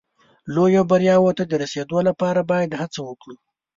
لویو بریاوو ته د رسېدو لپاره باید هڅه وکړو.